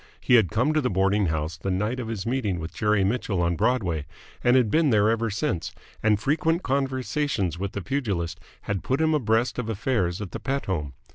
He had come to the boarding house the night of his meeting with Jerry Mitchell on Broadway, and had been there ever since, and frequent conversations with the pugilist had put him abreast of affairs at the Pett home.